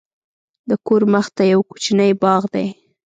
د کور مخته یو کوچنی باغ دی.